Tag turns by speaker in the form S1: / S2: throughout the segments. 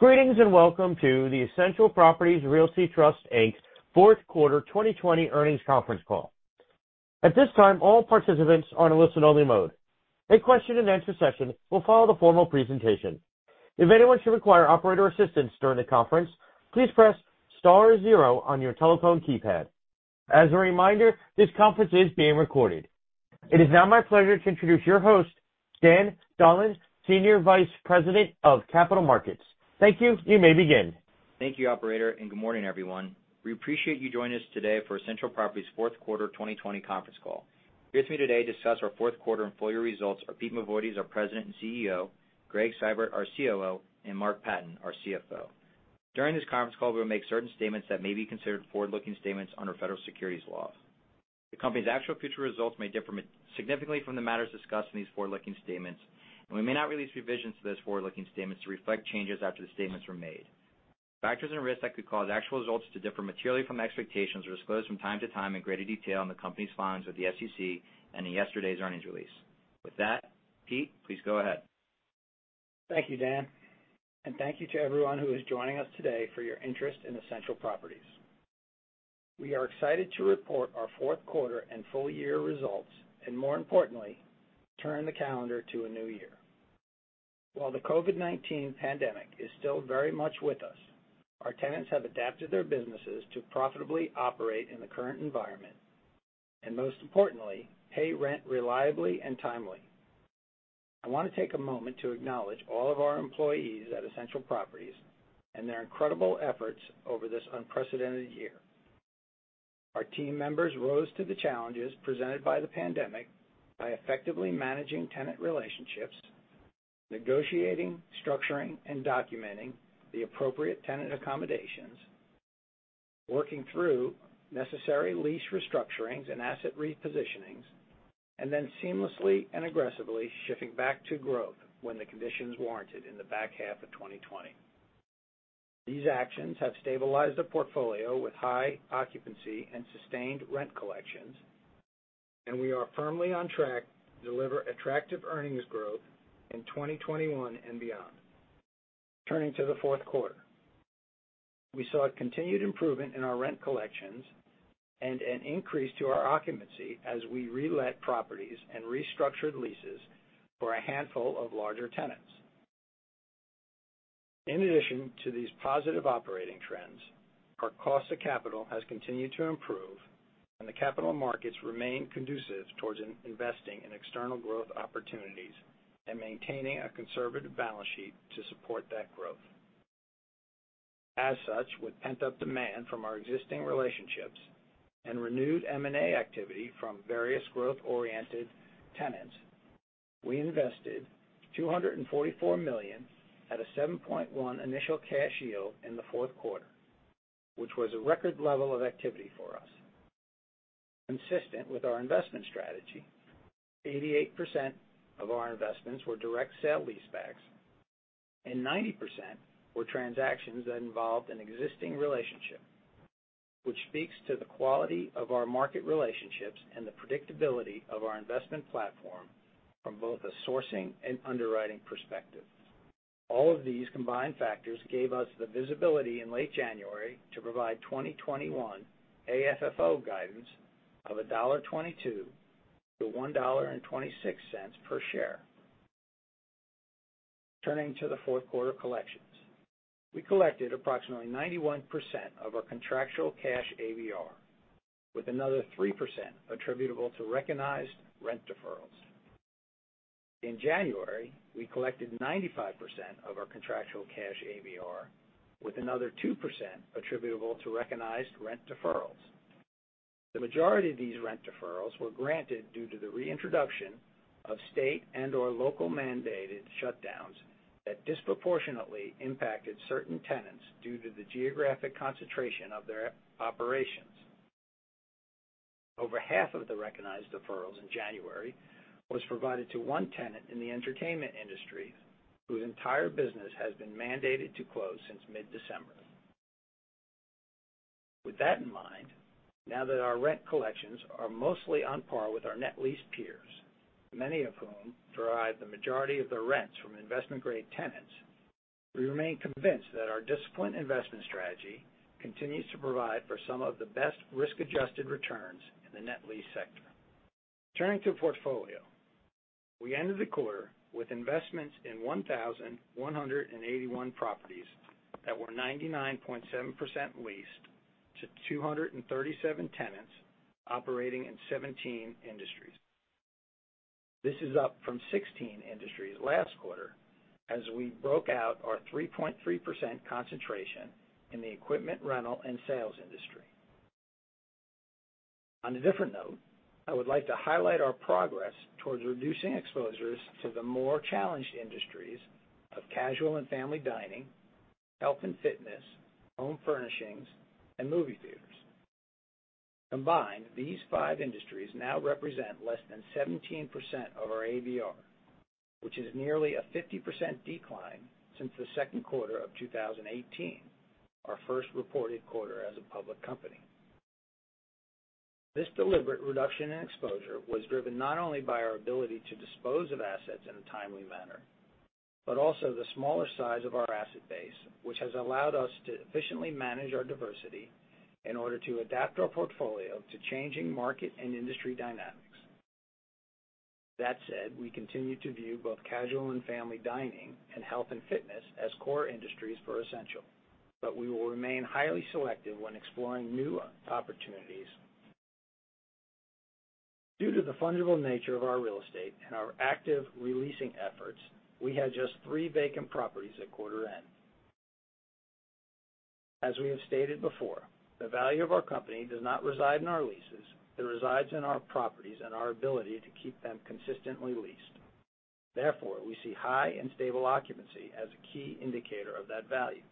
S1: Greetings and welcome to the Essential Properties Realty Trust, Inc.'s fourth quarter 2020 earnings conference call. At this time, all participants are in listen only mode. A question and answer session will follow the formal presentation. If anyone should require operator assistance during the conference, please press star zero on your telephone keypad. As a reminder, this conference is being recorded. It is now my pleasure to introduce your host, Dan Donlan, Senior Vice President of Capital Markets. Thank you. You may begin.
S2: Thank you operator. Good morning, everyone. We appreciate you joining us today for Essential Properties' fourth quarter 2020 conference call. Here with me today to discuss our fourth quarter and full year results are Pete Mavoides, our President and CEO, Gregg Seibert, our COO, and Mark Patten, our CFO. During this conference call, we will make certain statements that may be considered forward-looking statements under Federal Securities laws. The company's actual future results may differ significantly from the matters discussed in these forward-looking statements, and we may not release revisions to these forward-looking statements to reflect changes after the statements were made. Factors and risks that could cause actual results to differ materially from expectations are disclosed from time to time in greater detail in the company's filings with the SEC and in yesterday's earnings release. With that, Pete, please go ahead.
S3: Thank you, Dan, and thank you to everyone who is joining us today for your interest in Essential Properties. We are excited to report our fourth quarter and full year results, and more importantly, turn the calendar to a new year. While the COVID-19 pandemic is still very much with us, our tenants have adapted their businesses to profitably operate in the current environment, and most importantly, pay rent reliably and timely. I want to take a moment to acknowledge all of our employees at Essential Properties and their incredible efforts over this unprecedented year. Our team members rose to the challenges presented by the pandemic by effectively managing tenant relationships, negotiating, structuring, and documenting the appropriate tenant accommodations, working through necessary lease restructurings and asset repositionings, and then seamlessly and aggressively shifting back to growth when the conditions warranted in the back half of 2020. These actions have stabilized the portfolio with high occupancy and sustained rent collections. We are firmly on track to deliver attractive earnings growth in 2021 and beyond. Turning to the fourth quarter. We saw a continued improvement in our rent collections and an increase to our occupancy as we relet properties and restructured leases for a handful of larger tenants. In addition to these positive operating trends, our cost of capital has continued to improve and the capital markets remain conducive towards investing in external growth opportunities and maintaining a conservative balance sheet to support that growth. With pent-up demand from our existing relationships and renewed M&A activity from various growth-oriented tenants, we invested $244 million at a 7.1 initial cash yield in the fourth quarter, which was a record level of activity for us. Consistent with our investment strategy, 88% of our investments were direct sale leasebacks, and 90% were transactions that involved an existing relationship, which speaks to the quality of our market relationships and the predictability of our investment platform from both a sourcing and underwriting perspective. All of these combined factors gave us the visibility in late January to provide 2021 AFFO guidance of $1.22-$1.26 per share. Turning to the fourth quarter collections. We collected approximately 91% of our contractual cash ABR, with another 3% attributable to recognized rent deferrals. In January, we collected 95% of our contractual cash ABR, with another 2% attributable to recognized rent deferrals. The majority of these rent deferrals were granted due to the reintroduction of state and/or local mandated shutdowns that disproportionately impacted certain tenants due to the geographic concentration of their operations. Over half of the recognized deferrals in January was provided to one tenant in the entertainment industry whose entire business has been mandated to close since mid-December. With that in mind, now that our rent collections are mostly on par with our net lease peers, many of whom derive the majority of their rents from investment-grade tenants, we remain convinced that our disciplined investment strategy continues to provide for some of the best risk-adjusted returns in the net lease sector. Turning to portfolio. We ended the quarter with investments in 1,181 properties that were 99.7% leased to 237 tenants operating in 17 industries. This is up from 16 industries last quarter, as we broke out our 3.3% concentration in the equipment rental and sales industry. On a different note, I would like to highlight our progress towards reducing exposures to the more challenged industries of casual and family dining, health and fitness, home furnishings, and movie theaters. Combined, these five industries now represent less than 17% of our ABR, which is nearly a 50% decline since the second quarter of 2018, our first reported quarter as a public company. This deliberate reduction in exposure was driven not only by our ability to dispose of assets in a timely manner, but also the smaller size of our asset base, which has allowed us to efficiently manage our diversity in order to adapt our portfolio to changing market and industry dynamics. That said, we continue to view both casual and family dining and health and fitness as core industries for Essential, but we will remain highly selective when exploring new opportunities. Due to the fungible nature of our real estate and our active re-leasing efforts, we had just three vacant properties at quarter end. As we have stated before, the value of our company does not reside in our leases. It resides in our properties and our ability to keep them consistently leased. Therefore, we see high and stable occupancy as a key indicator of that value.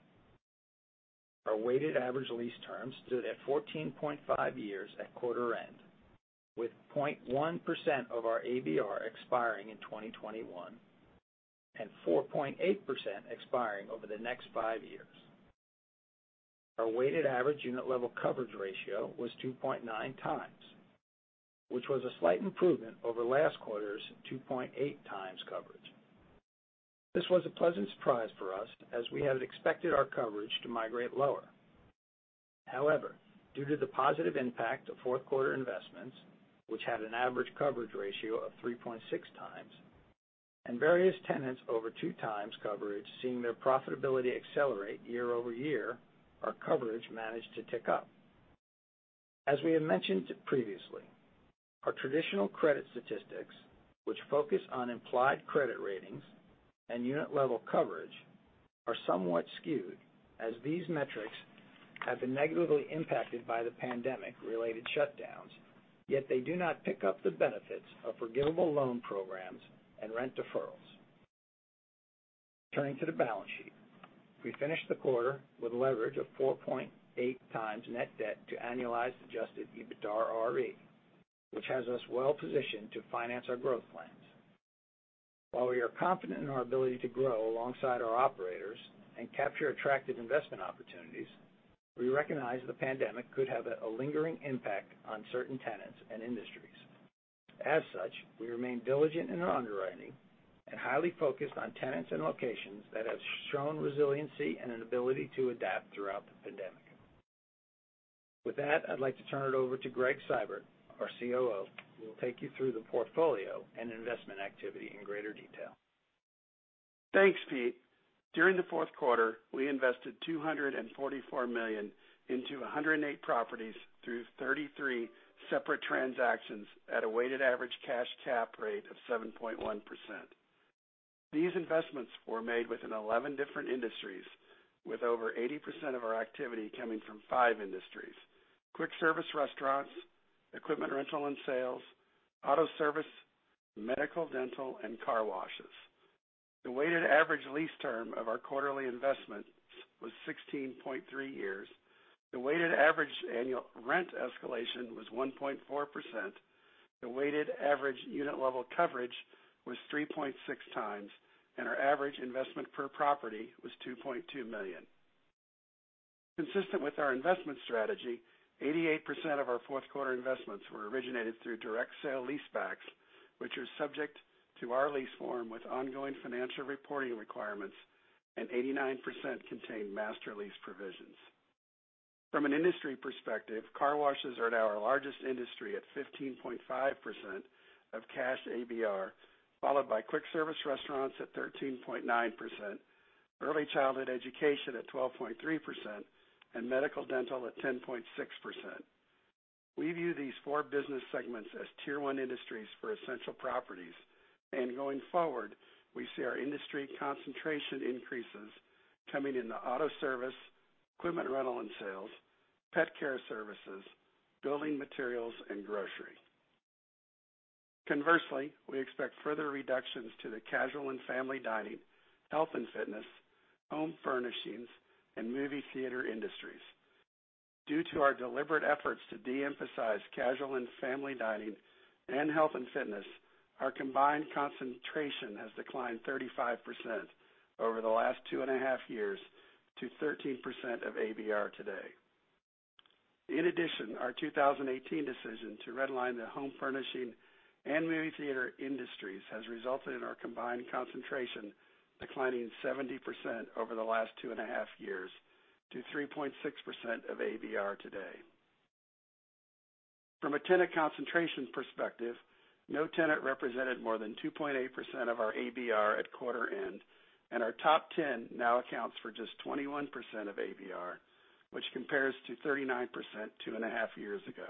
S3: Our weighted average lease terms stood at 14.5 years at quarter end, with 0.1% of our ABR expiring in 2021 and 4.8% expiring over the next five years. Our weighted average unit level coverage ratio was 2.9x, which was a slight improvement over last quarter's 2.8x coverage. This was a pleasant surprise for us as we had expected our coverage to migrate lower. However, due to the positive impact of fourth quarter investments, which had an average coverage ratio of 3.6x, and various tenants over 2x coverage seeing their profitability accelerate year-over-year, our coverage managed to tick up. As we have mentioned previously, our traditional credit statistics, which focus on implied credit ratings and unit-level coverage, are somewhat skewed as these metrics have been negatively impacted by the pandemic-related shutdowns, yet they do not pick up the benefits of forgivable loan programs and rent deferrals. Turning to the balance sheet. We finished the quarter with a leverage of 4.8x net debt to annualized adjusted EBITDAre, which has us well-positioned to finance our growth plans. While we are confident in our ability to grow alongside our operators and capture attractive investment opportunities, we recognize the pandemic could have a lingering impact on certain tenants and industries. As such, we remain diligent in our underwriting and highly focused on tenants and locations that have shown resiliency and an ability to adapt throughout the pandemic. With that, I'd like to turn it over to Gregg Seibert, our COO, who will take you through the portfolio and investment activity in greater detail.
S4: Thanks, Pete. During the fourth quarter, we invested $244 million into 108 properties through 33 separate transactions at a weighted average cash cap rate of 7.1%. These investments were made within five different industries, with over 80% of our activity coming from five industries: quick service restaurants, equipment rental and sales, auto service, medical/dental, and car washes. The weighted average lease term of our quarterly investment was 16.3 years. The weighted average annual rent escalation was 1.4%. The weighted average unit level coverage was 3.6x, and our average investment per property was $2.2 million. Consistent with our investment strategy, 88% of our fourth quarter investments were originated through direct sale leasebacks, which are subject to our lease form with ongoing financial reporting requirements, and 89% contained master lease provisions. From an industry perspective, car washes are now our largest industry at 15.5% of cash ABR, followed by quick service restaurants at 13.9%, early childhood education at 12.3%, and medical/dental at 10.6%. We view these four business segments as tier 1 industries for Essential Properties. Going forward, we see our industry concentration increases coming in the auto service, equipment rental and sales, pet care services, building materials, and grocery. Conversely, we expect further reductions to the casual and family dining, health and fitness, home furnishings, and movie theater industries. Due to our deliberate efforts to de-emphasize casual and family dining and health and fitness, our combined concentration has declined 35% over the last two and a half years to 13% of ABR today. In addition, our 2018 decision to redline the home furnishing and movie theater industries has resulted in our combined concentration declining 70% over the last two and a half years to 3.6% of ABR today. From a tenant concentration perspective, no tenant represented more than 2.8% of our ABR at quarter end, and our top 10 now accounts for just 21% of ABR, which compares to 39% two and a half years ago.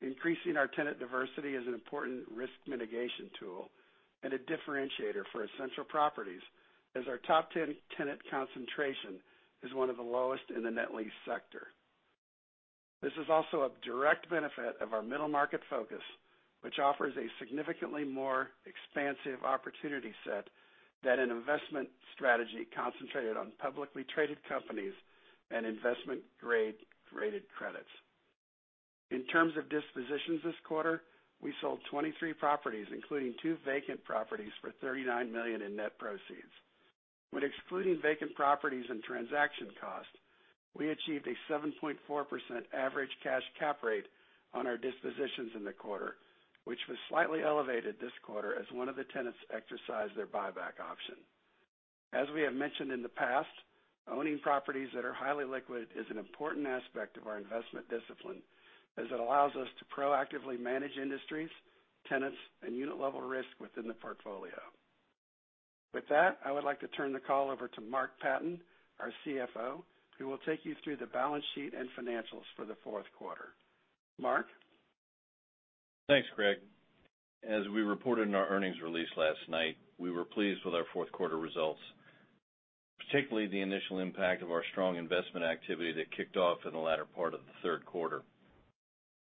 S4: Increasing our tenant diversity is an important risk mitigation tool and a differentiator for Essential Properties as our top 10 tenant concentration is one of the lowest in the net lease sector. This is also a direct benefit of our middle market focus, which offers a significantly more expansive opportunity set than an investment strategy concentrated on publicly traded companies and investment-grade rated credits. In terms of dispositions this quarter, we sold 23 properties, including two vacant properties for $39 million in net proceeds. When excluding vacant properties and transaction costs, we achieved a 7.4% average cash cap rate on our dispositions in the quarter, which was slightly elevated this quarter as one of the tenants exercised their buyback option. As we have mentioned in the past, owning properties that are highly liquid is an important aspect of our investment discipline, as it allows us to proactively manage industries, tenants, and unit-level risk within the portfolio. With that, I would like to turn the call over to Mark Patten, our CFO, who will take you through the balance sheet and financials for the fourth quarter. Mark?
S5: Thanks, Gregg. As we reported in our earnings release last night, we were pleased with our fourth quarter results, particularly the initial impact of our strong investment activity that kicked off in the latter part of the third quarter.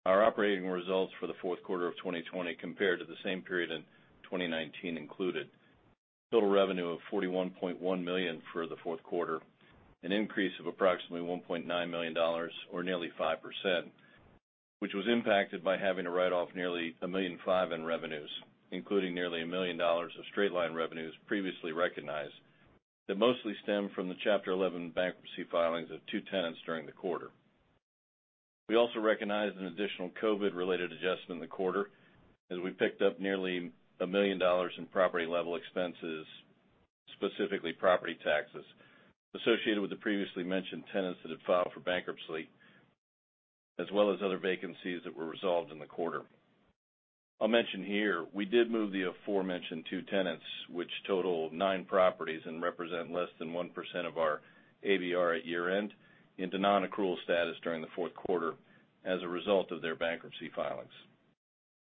S5: Our operating results for the fourth quarter of 2020 compared to the same period in 2019 included total revenue of $41.1 million for the fourth quarter, an increase of approximately $1.9 million or nearly 5%, which was impacted by having to write off nearly $1.5 million in revenues, including nearly $1 million of straight-line revenues previously recognized. That mostly stemmed from the Chapter 11 bankruptcy filings of two tenants during the quarter. We also recognized an additional COVID-19 related adjustment in the quarter, as we picked up nearly $1 million in property-level expenses, specifically property taxes associated with the previously mentioned tenants that had filed for bankruptcy, as well as other vacancies that were resolved in the quarter. I'll mention here, we did move the aforementioned two tenants, which total nine properties and represent less than 1% of our ABR at year-end into non-accrual status during the fourth quarter as a result of their bankruptcy filings.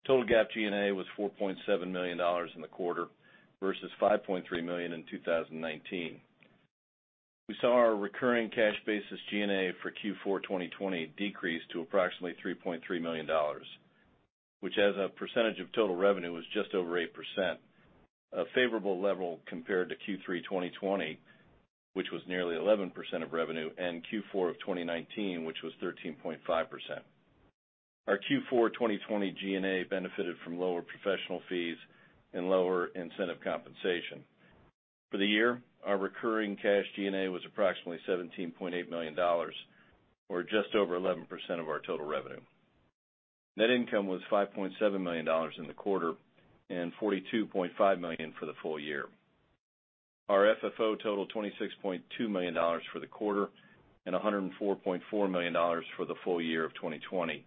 S5: Total GAAP G&A was $4.7 million in the quarter versus $5.3 million in 2019. We saw our recurring cash basis G&A for Q4 2020 decrease to approximately $3.3 million, which as a percentage of total revenue was just over 8%, a favorable level compared to Q3 2020, which was nearly 11% of revenue, and Q4 of 2019, which was 13.5%. Our Q4 2020 G&A benefited from lower professional fees and lower incentive compensation. For the year, our recurring cash G&A was approximately $17.8 million, or just over 11% of our total revenue. Net income was $5.7 million in the quarter and $42.5 million for the full year. Our FFO totaled $26.2 million for the quarter and $104.4 million for the full year of 2020,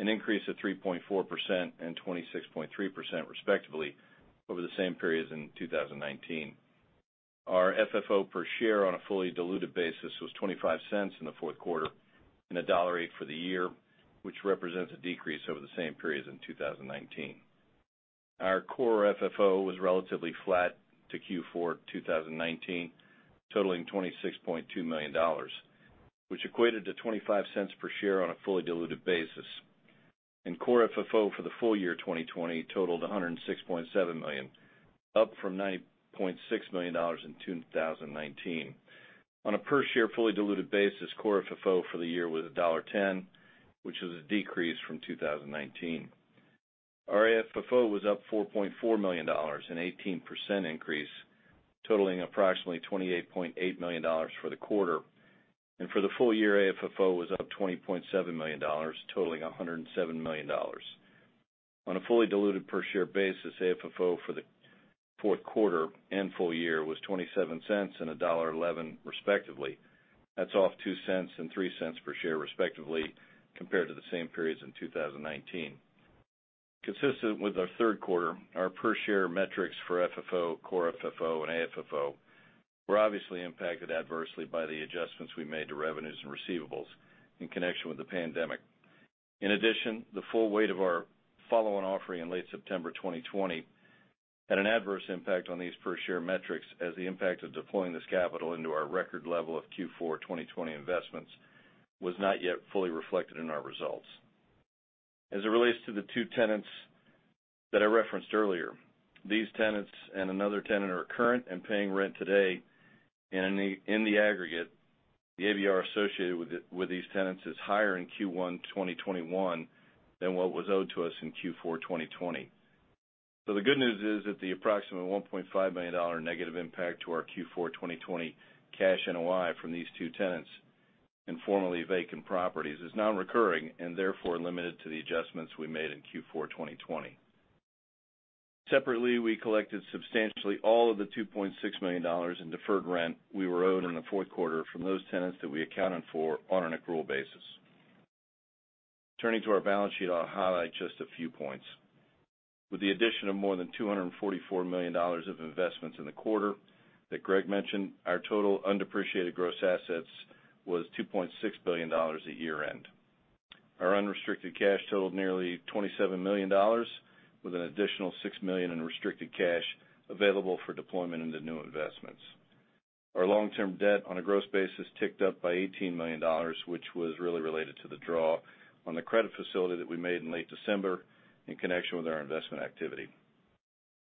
S5: an increase of 3.4% and 26.3% respectively over the same periods in 2019. Our FFO per share on a fully diluted basis was $0.25 in the fourth quarter and $1.08 for the year, which represents a decrease over the same periods in 2019. Our core FFO was relatively flat to Q4 2019, totaling $26.2 million, which equated to $0.25 per share on a fully diluted basis. core FFO for the full year 2020 totaled $106.7 million, up from $99.6 million in 2019. On a per share fully diluted basis, core FFO for the year was $1.10, which was a decrease from 2019. Our AFFO was up $4.4 million, an 18% increase, totaling approximately $28.8 million for the quarter. For the full year, AFFO was up $20.7 million, totaling $107 million. On a fully diluted per share basis, AFFO for the fourth quarter and full year was $0.27 and $1.11 respectively. That's off $0.02 and $0.03 per share respectively compared to the same periods in 2019. Consistent with our third quarter, our per share metrics for FFO, core FFO, and AFFO were obviously impacted adversely by the adjustments we made to revenues and receivables in connection with the pandemic. The full weight of our follow-on offering in late September 2020 had an adverse impact on these per share metrics as the impact of deploying this capital into our record level of Q4 2020 investments was not yet fully reflected in our results. As it relates to the two tenants that I referenced earlier, these tenants and another tenant are current and paying rent today, and in the aggregate, the ABR associated with these tenants is higher in Q1 2021 than what was owed to us in Q4 2020. The good news is that the approximate $1.5 million negative impact to our Q4 2020 cash NOI from these two tenants in formerly vacant properties is non-recurring and therefore limited to the adjustments we made in Q4 2020. Separately, we collected substantially all of the $2.6 million in deferred rent we were owed in the fourth quarter from those tenants that we accounted for on an accrual basis. Turning to our balance sheet, I'll highlight just a few points. With the addition of more than $244 million of investments in the quarter that Gregg mentioned, our total undepreciated gross assets was $2.6 billion at year-end. Our unrestricted cash totaled nearly $27 million, with an additional $6 million in restricted cash available for deployment into new investments. Our long-term debt on a gross basis ticked up by $18 million, which was really related to the draw on the credit facility that we made in late December in connection with our investment activity.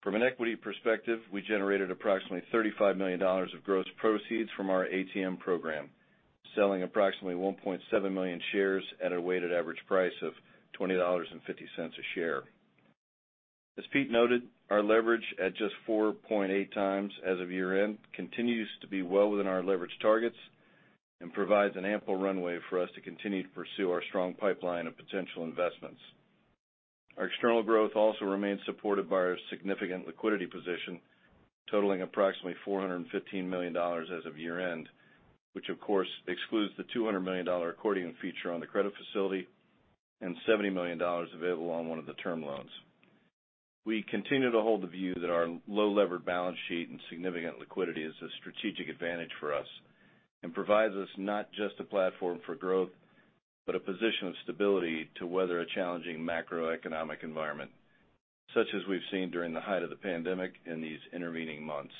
S5: From an equity perspective, we generated approximately $35 million of gross proceeds from our ATM program, selling approximately 1.7 million shares at a weighted average price of $20.50 a share. As Pete noted, our leverage at just 4.8x as of year-end continues to be well within our leverage targets and provides an ample runway for us to continue to pursue our strong pipeline of potential investments. Our external growth also remains supported by our significant liquidity position, totaling approximately $415 million as of year-end, which of course excludes the $200 million accordion feature on the credit facility and $70 million available on one of the term loans. We continue to hold the view that our low-levered balance sheet and significant liquidity is a strategic advantage for us and provides us not just a platform for growth, but a position of stability to weather a challenging macroeconomic environment, such as we've seen during the height of the pandemic in these intervening months.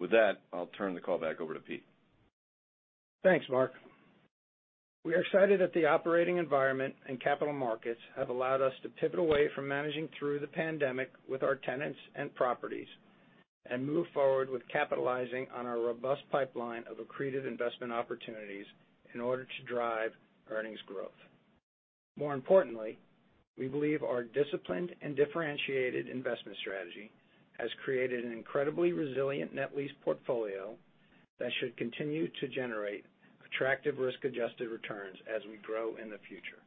S5: With that, I'll turn the call back over to Pete.
S3: Thanks, Mark. We're excited that the operating environment and capital markets have allowed us to pivot away from managing through the pandemic with our tenants and properties and move forward with capitalizing on our robust pipeline of accretive investment opportunities in order to drive earnings growth. More importantly, we believe our disciplined and differentiated investment strategy has created an incredibly resilient net lease portfolio that should continue to generate attractive risk-adjusted returns as we grow in the future.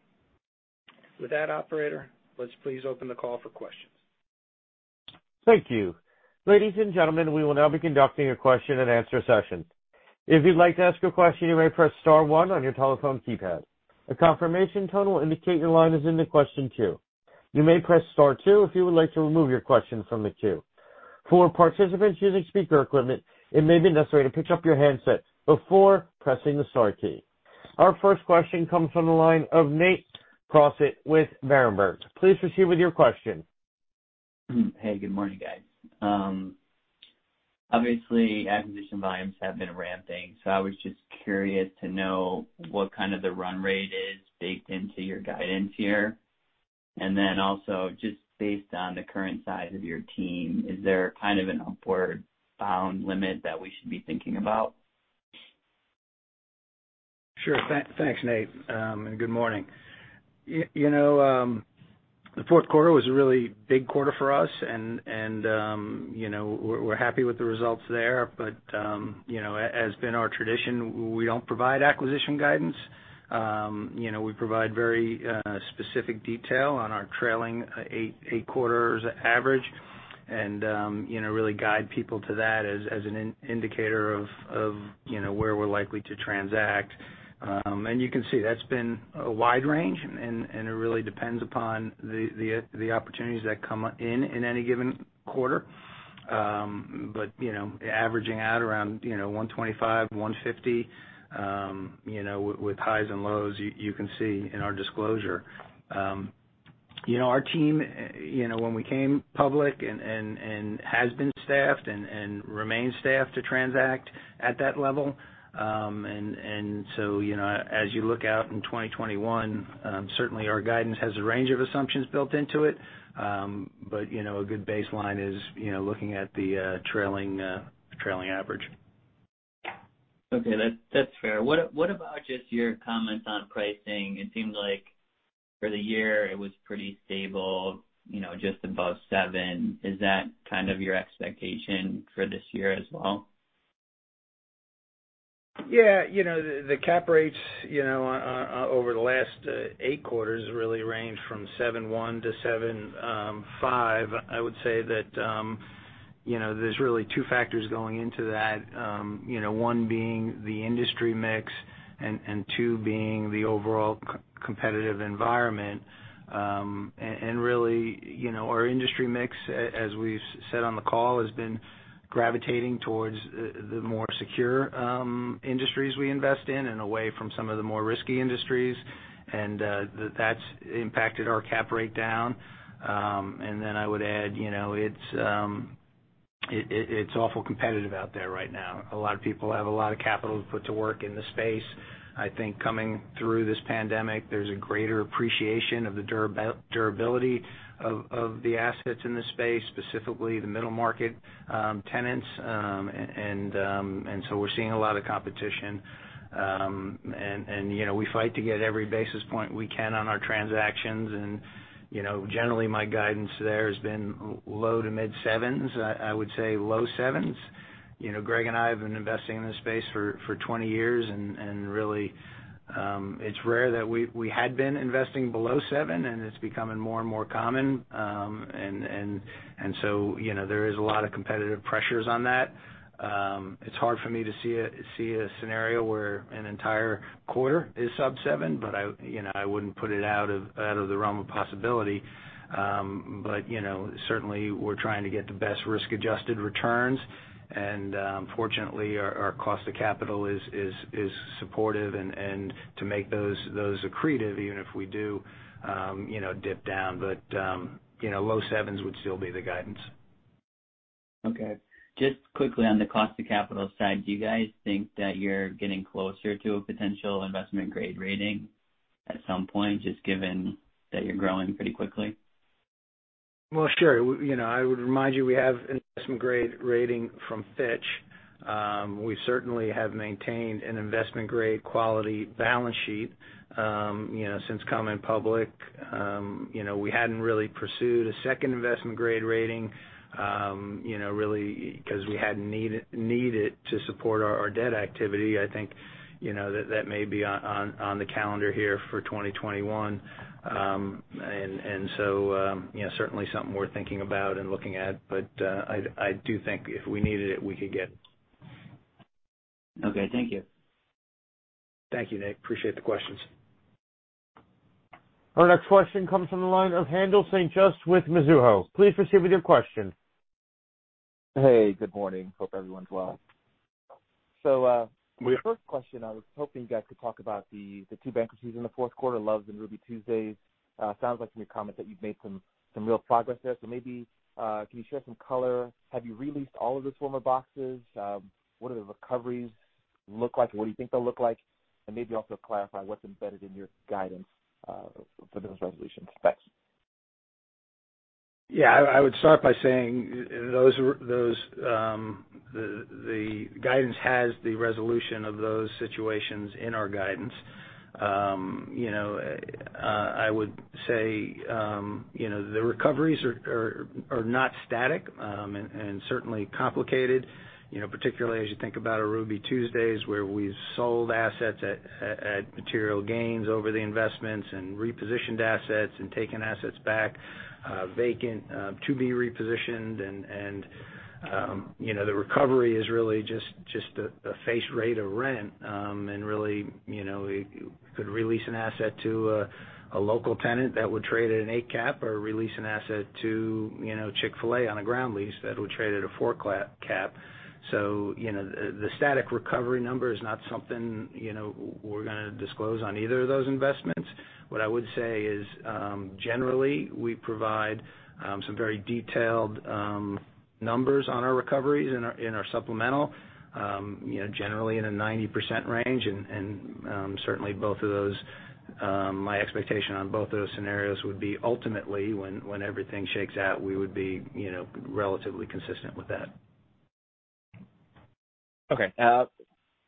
S3: With that, Operator, let's please open the call for questions.
S1: Thank you. Ladies and gentlemen, we will now be conducting a question and answer session. If you'd like to ask a question, you may press star one on your telephone keypad. A confirmation tone will indicate your line is in the question queue. You may press star two if you would like to remove your question from the queue. For participants using speaker equipment, it may be necessary to pick up your handset before pressing the star key. Our first question comes from the line of Nate Crossett with Berenberg. Please proceed with your question.
S6: Hey, good morning, guys. Obviously, acquisition volumes have been ramping, I was just curious to know what kind of the run rate is baked into your guidance here. Just based on the current size of your team, is there kind of an upward bound limit that we should be thinking about?
S3: Sure. Thanks, Nate. Good morning. The fourth quarter was a really big quarter for us, and we're happy with the results there. As been our tradition, we don't provide acquisition guidance. We provide very specific detail on our trailing eight quarters average and really guide people to that as an indicator of where we're likely to transact. You can see that's been a wide range, and it really depends upon the opportunities that come in in any given quarter. Averaging out around 125, 150, with highs and lows, you can see in our disclosure. Our team, when we came public, and has been staffed and remains staffed to transact at that level. As you look out in 2021, certainly our guidance has a range of assumptions built into it. A good baseline is looking at the trailing average.
S6: Okay. That's fair. What about just your comments on pricing? It seems like for the year it was pretty stable, just above seven. Is that kind of your expectation for this year as well?
S3: Yeah. The cap rates over the last eight quarters really range from 7.1%-7.5%. I would say that there's really two factors going into that. One being the industry mix, and two being the overall competitive environment. Really, our industry mix, as we've said on the call, has been gravitating towards the more secure industries we invest in and away from some of the more risky industries. That's impacted our cap rate down. I would add, it's awful competitive out there right now. A lot of people have a lot of capital to put to work in the space. I think coming through this pandemic, there's a greater appreciation of the durability of the assets in this space, specifically the middle market tenants. We're seeing a lot of competition. We fight to get every basis point we can on our transactions. Generally, my guidance there has been low to mid 7s. I would say low 7s. Gregg and I have been investing in this space for 20 years, and really, it's rare that we had been investing below 7, and it's becoming more and more common. So there is a lot of competitive pressures on that. It's hard for me to see a scenario where an entire quarter is sub 7, but I wouldn't put it out of the realm of possibility. Certainly, we're trying to get the best risk-adjusted returns. Fortunately, our cost of capital is supportive, and to make those accretive, even if we do dip down. Low 7s would still be the guidance.
S6: Okay. Just quickly on the cost of capital side, do you guys think that you're getting closer to a potential investment-grade rating at some point, just given that you're growing pretty quickly?
S3: Well, sure. I would remind you, we have investment-grade rating from Fitch. We certainly have maintained an investment-grade quality balance sheet since coming public. We hadn't really pursued a second investment-grade rating, really because we hadn't needed it to support our debt activity. I think that may be on the calendar here for 2021. Certainly something we're thinking about and looking at. I do think if we needed it, we could get it.
S6: Okay. Thank you.
S3: Thank you, Nate. Appreciate the questions.
S1: Our next question comes from the line of Haendel St. Juste with Mizuho. Please proceed with your question.
S7: Hey, good morning. Hope everyone's well.
S3: We are.
S7: The first question I was hoping you guys could talk about the two bankruptcies in the fourth quarter, Loves and Ruby Tuesday. Sounds like from your comments that you've made some real progress there, so maybe, can you share some color? Have you re-leased all of those former boxes? What do the recoveries look like, or what do you think they'll look like? Maybe also clarify what's embedded in your guidance for those resolution specs?
S3: Yeah, I would start by saying the guidance has the resolution of those situations in our guidance. I would say the recoveries are not static and certainly complicated, particularly as you think about a Ruby Tuesday, where we've sold assets at material gains over the investments and repositioned assets and taken assets back vacant, to be repositioned. And the recovery is really just a face rate of rent. And really, you could release an asset to a local tenant that would trade at an eight cap or release an asset to Chick-fil-A on a ground lease that would trade at a four cap. The static recovery number is not something we're going to disclose on either of those investments. What I would say is, generally, we provide some very detailed numbers on our recoveries in our supplemental. Generally in a 90% range, and certainly my expectation on both of those scenarios would be ultimately when everything shakes out, we would be relatively consistent with that.
S7: Okay.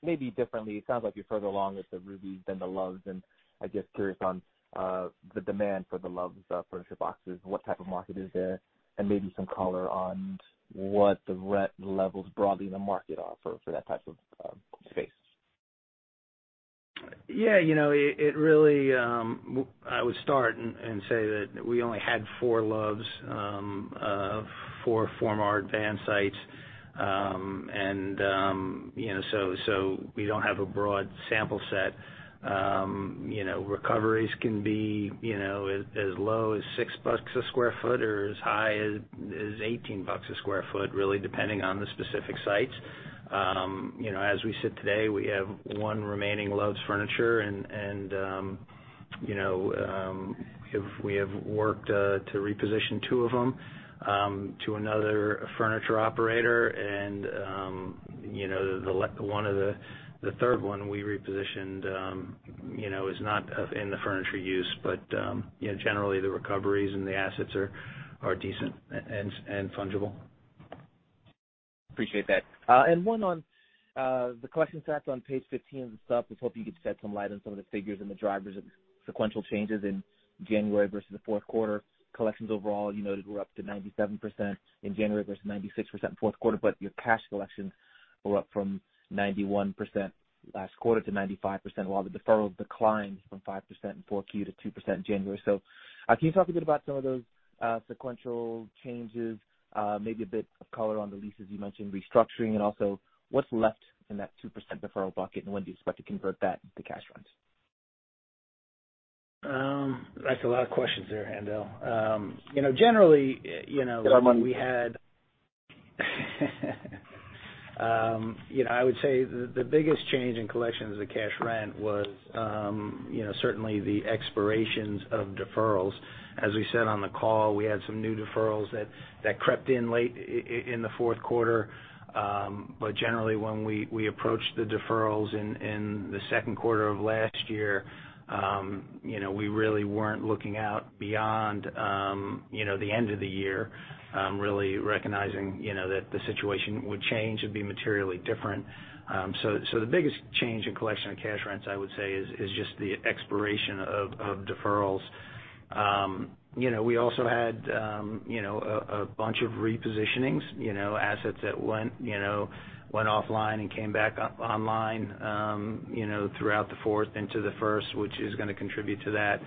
S7: Maybe differently, it sounds like you're further along with the Ruby than the Loves, and I'm just curious on the demand for the Loves Furniture boxes and what type of market is there, and maybe some color on what the rent levels broadly in the market are for that type of space.
S3: Yeah. I would start and say that we only had four Loves of four of former Art Van sites. We don't have a broad sample set. Recoveries can be as low as $6 a square foot or as high as $18 a square foot, really depending on the specific sites. As we sit today, we have one remaining Loves Furniture, and we have worked to reposition two of them to another furniture operator. The third one we repositioned is not in the furniture use, but generally the recoveries and the assets are decent and fungible.
S7: Appreciate that. One on the collection stats on page 15 and stuff. I was hoping you could shed some light on some of the figures and the drivers of sequential changes in January versus the fourth quarter. Collections overall, they were up to 97% in January versus 96% in the fourth quarter, but your cash collections were up from 91% last quarter to 95%, while the deferrals declined from 5% in 4Q to 2% in January. Can you talk a bit about some of those sequential changes? Maybe a bit of color on the leases you mentioned restructuring, and also what's left in that 2% deferral bucket, and when do you expect to convert that to cash rents?
S3: That's a lot of questions there, Haendel.
S7: Get our money.
S3: I would say the biggest change in collections of cash rent was certainly the expirations of deferrals. As we said on the call, we had some new deferrals that crept in late in the fourth quarter. Generally when we approached the deferrals in the second quarter of last year, we really weren't looking out beyond the end of the year, really recognizing that the situation would change and be materially different. The biggest change in collection of cash rents, I would say, is just the expiration of deferrals. We also had a bunch of repositionings, assets that went offline and came back up online throughout the fourth into the first, which is going to contribute to that.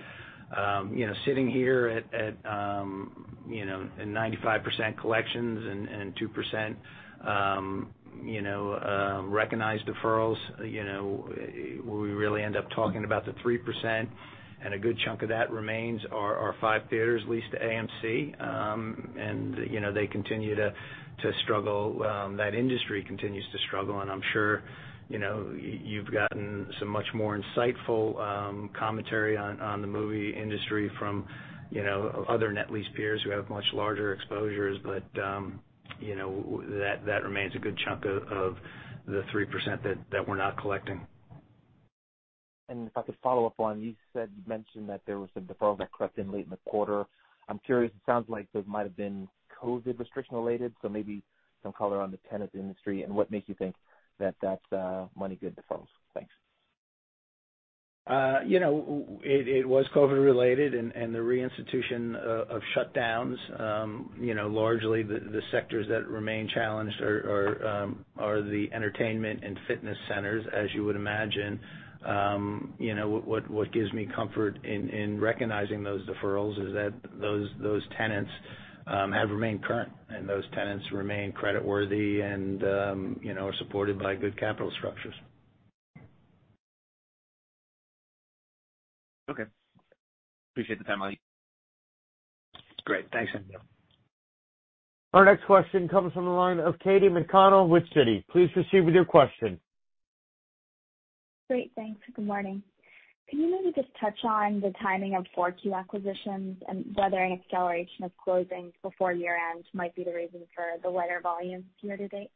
S3: Sitting here at 95% collections and 2% recognized deferrals, we really end up talking about the 3%, and a good chunk of that remains our five theaters leased to AMC. They continue to struggle. That industry continues to struggle, and I'm sure you've gotten some much more insightful commentary on the movie industry from other net lease peers who have much larger exposures. That remains a good chunk of the 3% that we're not collecting.
S7: If I could follow up on, you mentioned that there was some deferrals that crept in late in the quarter. I'm curious, it sounds like those might have been COVID restriction related, maybe some color on the tenant industry and what makes you think that that's money good deferrals. Thanks.
S3: It was COVID related and the reinstitution of shutdowns. Largely, the sectors that remain challenged are the entertainment and fitness centers, as you would imagine. What gives me comfort in recognizing those deferrals is that those tenants have remained current, and those tenants remain creditworthy and are supported by good capital structures.
S7: Okay. Appreciate the time.
S3: Great. Thanks.
S1: Our next question comes from the line of Katy McConnell with Citi. Please proceed with your question.
S8: Great, thanks. Good morning. Can you maybe just touch on the timing of 4Q acquisitions and whether an acceleration of closings before year-end might be the reason for the lighter volume year to date?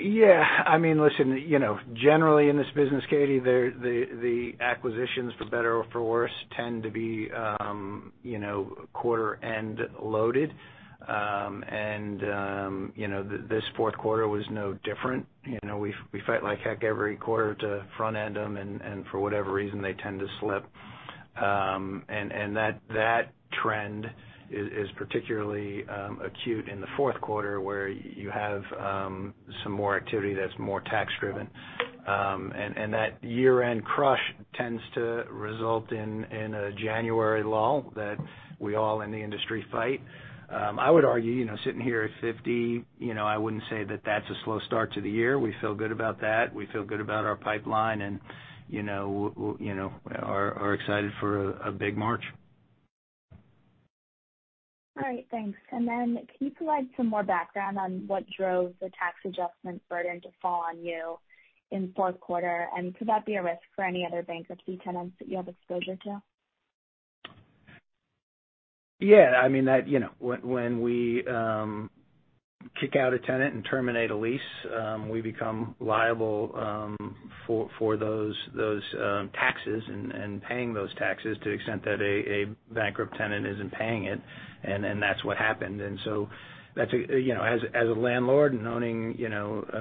S3: Yeah. Listen, generally in this business, Katy, the acquisitions, for better or for worse, tend to be quarter-end loaded. This fourth quarter was no different. We fight like heck every quarter to front-end them, and for whatever reason, they tend to slip. That trend is particularly acute in the fourth quarter, where you have some more activity that's more tax-driven. That year-end crush tends to result in a January lull that we all in the industry fight. I would argue, sitting here at 50, I wouldn't say that that's a slow start to the year. We feel good about that. We feel good about our pipeline and are excited for a big March.
S8: All right. Thanks. Can you provide some more background on what drove the tax adjustment burden to fall on you in the fourth quarter? Could that be a risk for any other bankruptcy tenants that you have exposure to?
S3: Yeah. When we kick out a tenant and terminate a lease, we become liable for those taxes and paying those taxes to the extent that a bankrupt tenant isn't paying it. That's what happened. As a landlord and owning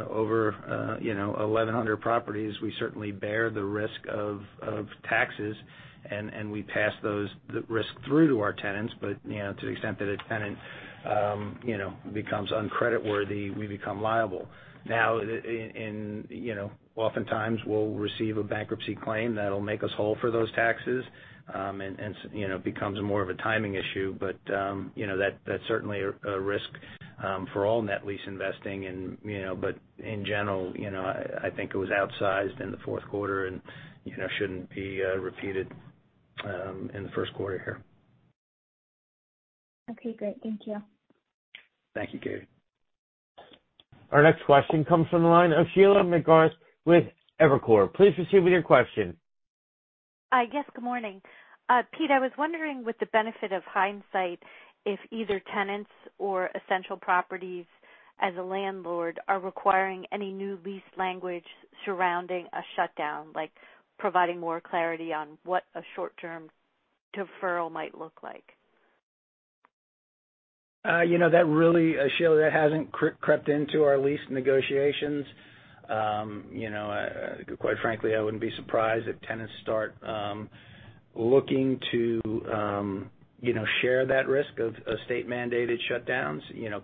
S3: over 1,100 properties, we certainly bear the risk of taxes, and we pass those risks through to our tenants. To the extent that a tenant becomes un-creditworthy, we become liable. Now, oftentimes, we'll receive a bankruptcy claim that'll make us whole for those taxes, and it becomes more of a timing issue. That's certainly a risk for all net lease investing. In general, I think it was outsized in the fourth quarter and shouldn't be repeated in the first quarter here.
S8: Okay, great. Thank you.
S3: Thank you, Katy.
S1: Our next question comes from the line of Sheila McGrath with Evercore. Please proceed with your question.
S9: Yes, good morning. Pete, I was wondering, with the benefit of hindsight, if either tenants or Essential Properties as a landlord are requiring any new lease language surrounding a shutdown, like providing more clarity on what a short-term deferral might look like.
S3: Sheila, that hasn't crept into our lease negotiations. Quite frankly, I wouldn't be surprised if tenants start looking to share that risk of state-mandated shutdowns.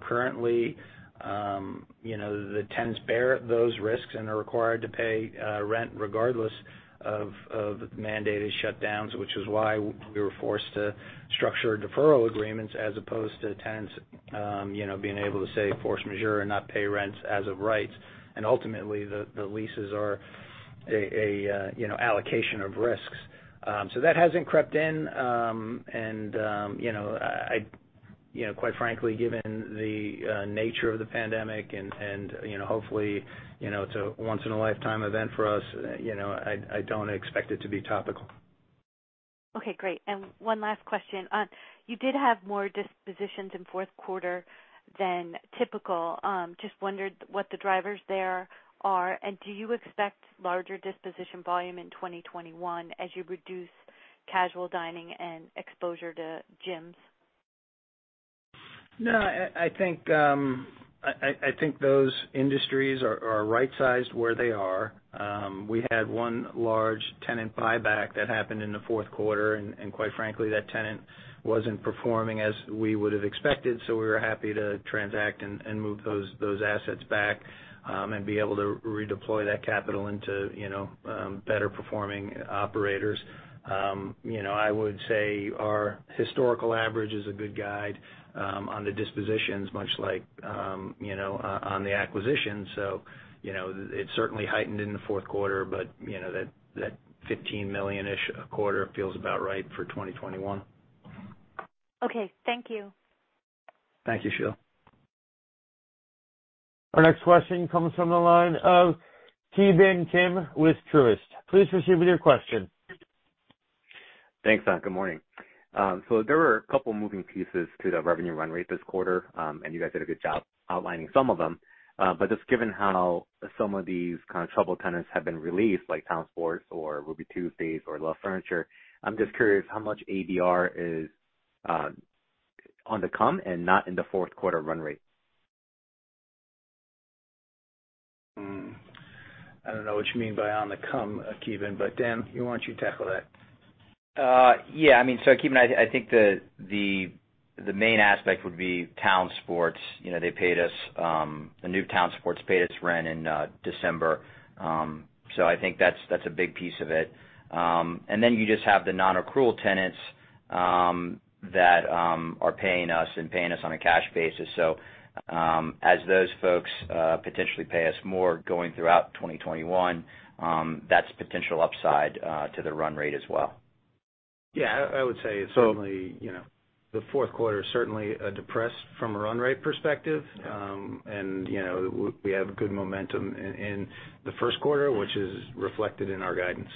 S3: Currently, the tenants bear those risks and are required to pay rent regardless of mandated shutdowns, which is why we were forced to structure deferral agreements as opposed to tenants being able to say force majeure and not pay rents as a right. Ultimately, the leases are allocation of risks. That hasn't crept in, and quite frankly, given the nature of the pandemic, and hopefully it's a once-in-a-lifetime event for us, I don't expect it to be topical.
S9: Okay, great. One last question. You did have more dispositions in the fourth quarter than typical. Just wondered what the drivers there are, and do you expect larger disposition volume in 2021 as you reduce casual dining and exposure to gyms?
S3: No, I think those industries are right-sized where they are. We had one large tenant buyback that happened in the fourth quarter, and quite frankly, that tenant wasn't performing as we would have expected. We were happy to transact and move those assets back and be able to redeploy that capital into better-performing operators. I would say our historical average is a good guide on the dispositions, much like on the acquisition. It certainly heightened in the fourth quarter, but that $15 million-ish a quarter feels about right for 2021.
S9: Okay. Thank you.
S3: Thank you, Sheila.
S1: Our next question comes from the line of Ki Bin Kim with Truist. Please proceed with your question.
S10: Thanks. Good morning. There were a couple moving pieces to the revenue run rate this quarter, and you guys did a good job outlining some of them. Just given how some of these kind of troubled tenants have been released, like Town Sports or Ruby Tuesday or Loves Furniture, I'm just curious how much ABR is on the come and not in the fourth quarter run rate.
S3: I don't know what you mean by on the come, Ki Bin, but Dan, why don't you tackle that?
S2: Ki Bin, I think the main aspect would be Town Sports. The new Town Sports paid its rent in December. I think that's a big piece of it. You just have the non-accrual tenants that are paying us and paying us on a cash basis. As those folks potentially pay us more going throughout 2021, that's potential upside to the run rate as well.
S3: Yeah, I would say certainly, the fourth quarter is certainly depressed from a run rate perspective.
S2: Yeah.
S3: We have good momentum in the first quarter, which is reflected in our guidance.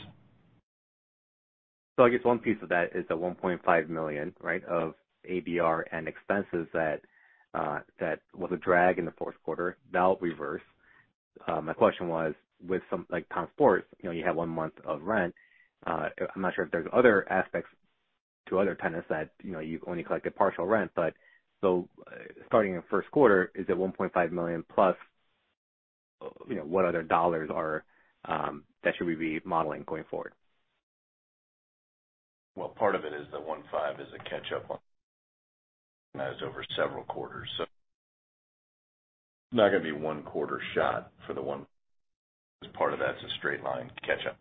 S10: I guess one piece of that is the $1.5 million, right, of ABR and expenses that was a drag in the fourth quarter. That'll reverse. My question was, with some, like Town Sports, you have one month of rent. I'm not sure if there's other aspects to other tenants that you've only collected partial rent. Starting in the first quarter, is it $1.5+ million, what other dollars that should we be modeling going forward?
S5: Well, part of it is the $1.5 million is a catch-up on and that is over several quarters, so not going to be one quarter shot for the one part of that's a straight line catch-up.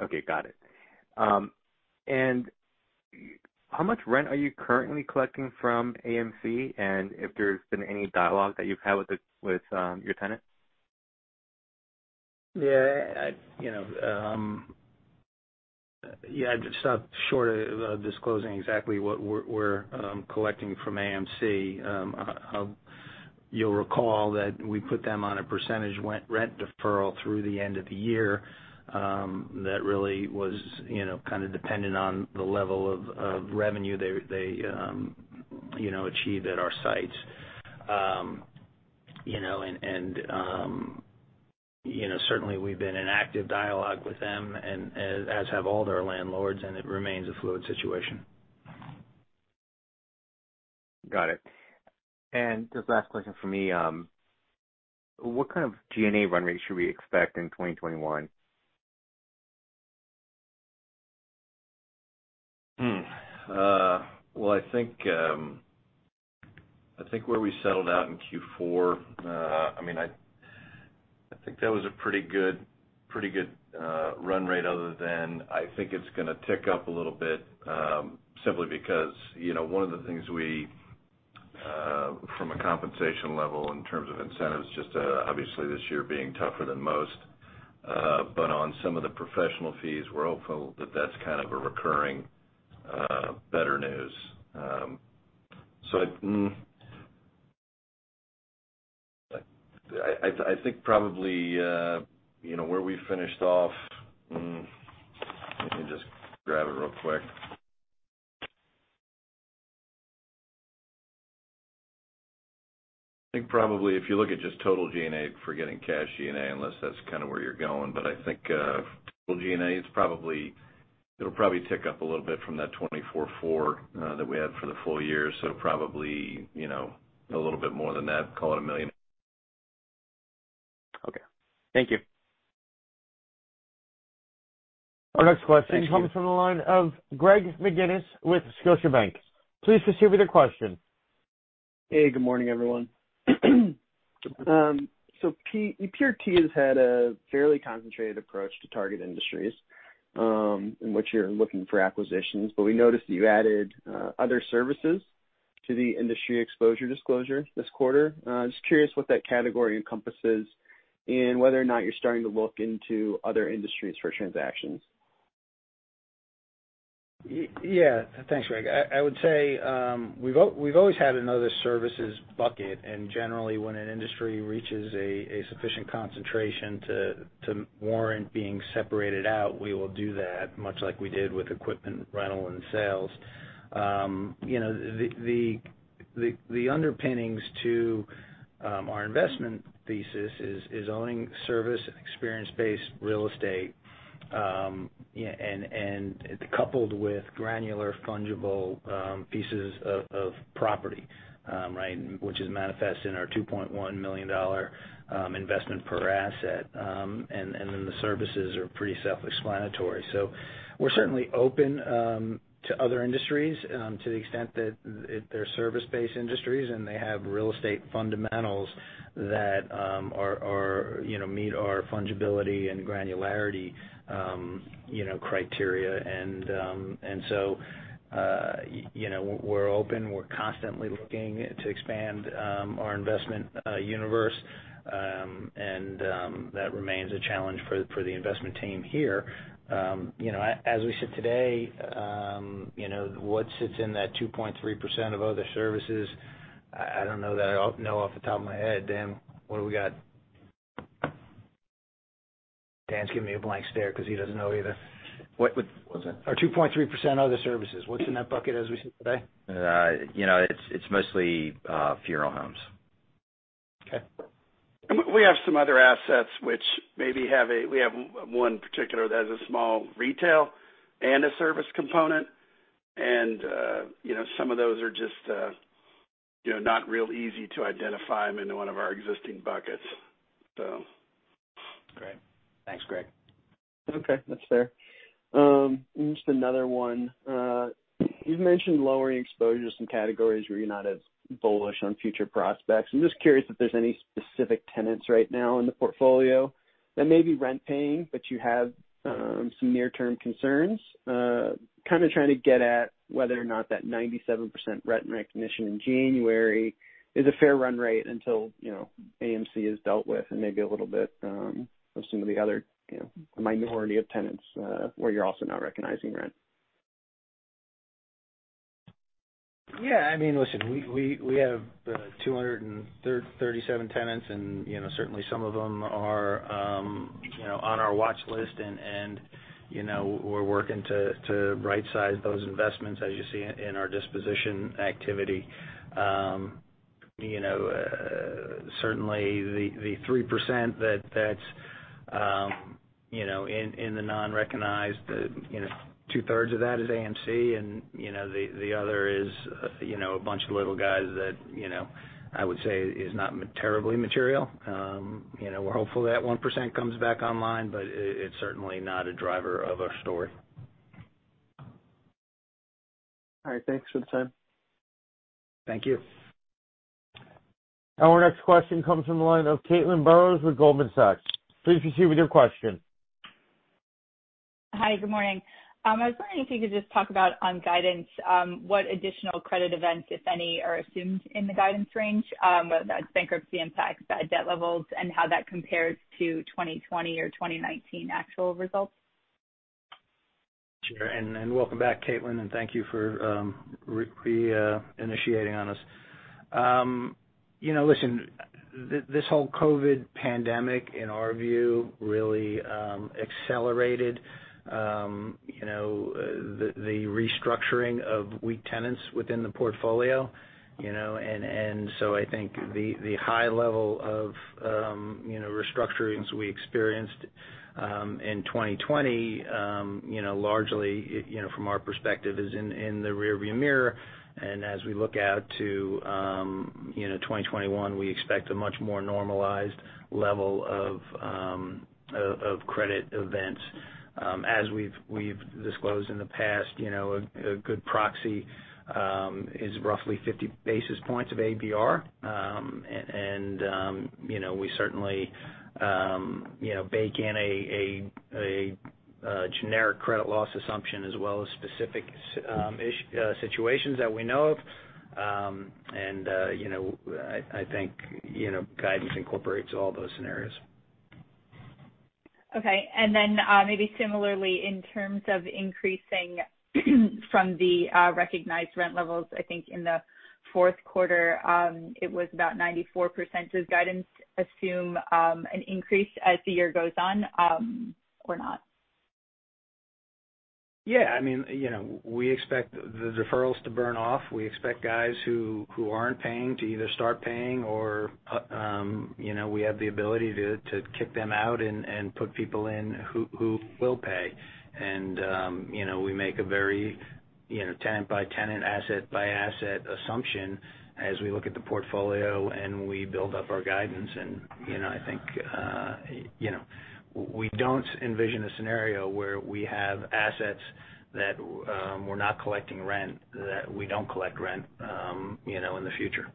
S10: Okay. Got it. How much rent are you currently collecting from AMC, and if there's been any dialogue that you've had with your tenant?
S3: Yeah. I'd stop short of disclosing exactly what we're collecting from AMC. You'll recall that we put them on a percentage rent deferral through the end of the year. That really was kind of dependent on the level of revenue they achieved at our sites. Certainly, we've been in active dialogue with them and as have all their landlords, and it remains a fluid situation.
S10: Got it. Just last question from me. What kind of G&A run rate should we expect in 2021?
S5: I think where we settled out in Q4, I think that was a pretty good run rate other than I think it's going to tick up a little bit, simply because one of the things from a compensation level in terms of incentives, just obviously this year being tougher than most. On some of the professional fees, we're hopeful that that's kind of a recurring better news. I think probably where we finished off. Let me just grab it real quick. I think probably if you look at just total G&A, forgetting cash G&A, unless that's kind of where you're going, I think total G&A, it'll probably tick up a little bit from that 24.4 that we had for the full year. Probably, a little bit more than that, call it $1 million.
S10: Okay. Thank you.
S1: Our next question comes from the line of Greg McGinniss with Scotiabank.
S11: Hey, good morning, everyone. Pete, EPRT has had a fairly concentrated approach to target industries, in which you're looking for acquisitions. We noticed that you added other services to the industry exposure disclosure this quarter. Just curious what that category encompasses and whether or not you're starting to look into other industries for transactions.
S3: Thanks, Greg. I would say, we've always had another services bucket. Generally, when an industry reaches a sufficient concentration to warrant being separated out, we will do that, much like we did with equipment rental and sales. The underpinnings to our investment thesis is owning service and experience-based real estate, coupled with granular fungible pieces of property, right? Which is manifest in our $2.1 million investment per asset. The services are pretty self-explanatory. We're certainly open to other industries to the extent that if they're service-based industries and they have real estate fundamentals that meet our fungibility and granularity criteria. We're open. We're constantly looking to expand our investment universe. That remains a challenge for the investment team here. As we sit today, what sits in that 2.3% of other services I don't know that I know off the top of my head. Dan, what do we got? Dan's giving me a blank stare because he doesn't know either.
S2: What was that?
S3: Our 2.3% other services. What's in that bucket as we sit today?
S2: It's mostly funeral homes.
S3: Okay.
S4: We have some other assets which maybe have We have one particular that has a small retail and a service component, and some of those are just not real easy to identify them into one of our existing buckets.
S3: Great. Thanks, Gregg.
S11: Okay. That's fair. Just another one. You've mentioned lowering exposure, some categories where you're not as bullish on future prospects. I'm just curious if there's any specific tenants right now in the portfolio that may be rent paying, but you have some near-term concerns. Kind of trying to get at whether or not that 97% rent recognition in January is a fair run rate until AMC is dealt with and maybe a little bit of some of the other, a minority of tenants, where you're also now recognizing rent.
S3: Yeah. Listen, we have 237 tenants and certainly some of them are on our watch list, and we're working to right size those investments as you see in our disposition activity. Certainly, the 3% that's in the non-recognized, two-thirds of that is AMC and the other is a bunch of little guys that I would say is not terribly material. We're hopeful that 1% comes back online, but it's certainly not a driver of our story.
S11: All right. Thanks for the time.
S3: Thank you.
S1: Our next question comes from the line of Caitlin Burrows with Goldman Sachs. Please proceed with your question.
S12: Hi, good morning. I was wondering if you could just talk about on guidance, what additional credit events, if any, are assumed in the guidance range, whether that's bankruptcy impacts, debt levels, and how that compares to 2020 or 2019 actual results.
S3: Sure. Welcome back, Caitlin, and thank you for re-initiating on us. Listen, this whole COVID pandemic, in our view, really accelerated the restructuring of weak tenants within the portfolio. I think the high level of restructurings we experienced in 2020, largely from our perspective, is in the rearview mirror. As we look out to 2021, we expect a much more normalized level of credit events. As we've disclosed in the past, a good proxy is roughly 50 basis points of ABR. We certainly bake in a generic credit loss assumption as well as specific situations that we know of. I think guidance incorporates all those scenarios.
S12: Okay. Maybe similarly, in terms of increasing from the recognized rent levels, I think in the fourth quarter, it was about 94%. Does guidance assume an increase as the year goes on or not?
S3: Yeah. We expect the deferrals to burn off. We expect guys who aren't paying to either start paying or we have the ability to kick them out and put people in who will pay. We make a very tenant-by-tenant, asset-by-asset assumption as we look at the portfolio, and we build up our guidance. I think we don't envision a scenario where we have assets that we're not collecting rent, that we don't collect rent in the future.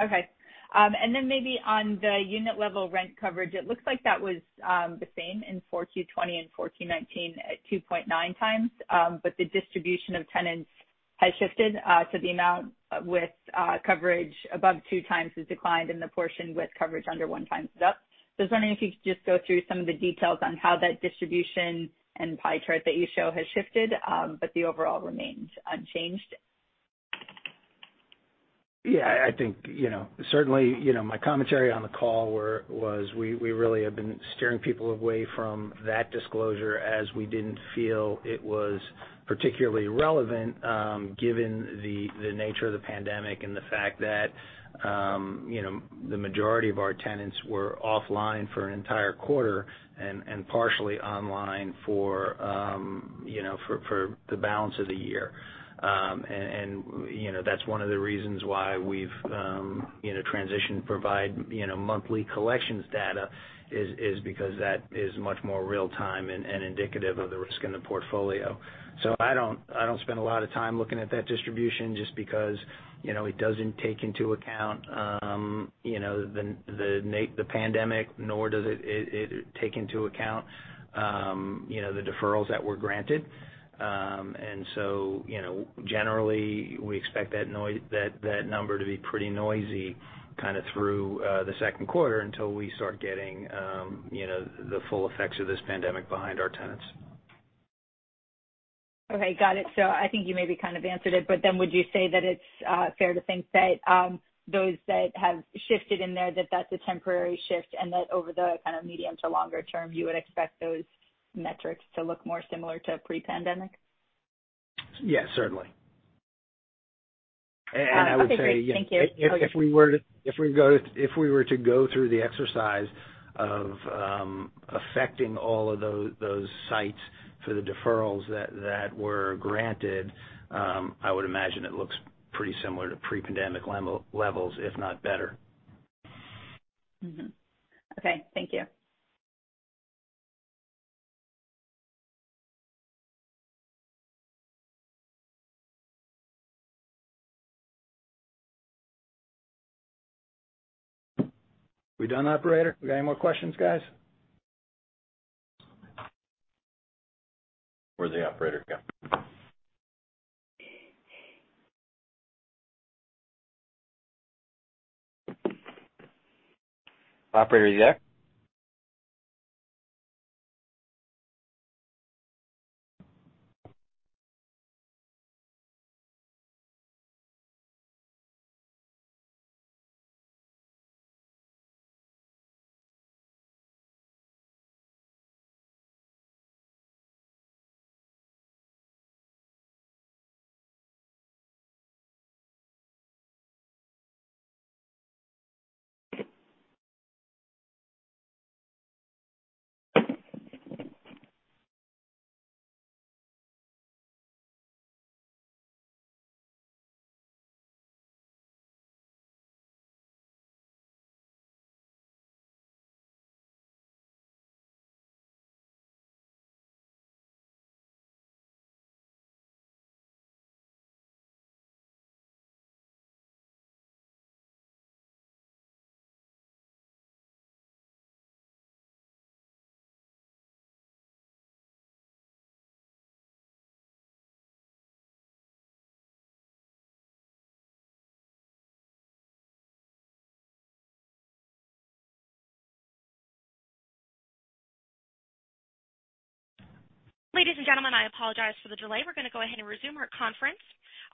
S12: Okay. Maybe on the unit-level rent coverage, it looks like that was the same in 4Q 2020 and 4Q 2019 at 2.9x. The distribution of tenants has shifted to the amount with coverage above two times has declined and the portion with coverage under one times is up. I was wondering if you could just go through some of the details on how that distribution and pie chart that you show has shifted, but the overall remains unchanged.
S3: I think certainly, my commentary on the call was we really have been steering people away from that disclosure as we didn't feel it was particularly relevant given the nature of the pandemic and the fact that the majority of our tenants were offline for an entire quarter and partially online for the balance of the year. That's one of the reasons why we've transitioned to provide monthly collections data is because that is much more real-time and indicative of the risk in the portfolio. I don't spend a lot of time looking at that distribution just because it doesn't take into account the pandemic, nor does it take into account the deferrals that were granted. Generally, we expect that number to be pretty noisy kind of through the second quarter until we start getting the full effects of this pandemic behind our tenants.
S12: Okay, got it. I think you maybe kind of answered it, would you say that it's fair to think that those that have shifted in there, that that's a temporary shift, and that over the kind of medium to longer term, you would expect those metrics to look more similar to pre-pandemic?
S3: Yes, certainly.
S12: Okay, great. Thank you.
S3: I would say, if we were to go through the exercise of affecting all of those sites for the deferrals that were granted, I would imagine it looks pretty similar to pre-pandemic levels, if not better.
S12: Okay. Thank you.
S3: We done, operator? We got any more questions, guys? Where'd the operator go? Operator, are you there?
S1: Ladies and gentlemen, I apologize for the delay. We're going to go ahead and resume our conference.